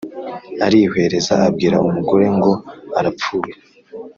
arihwereza, abwira umugore ngo arapfuye,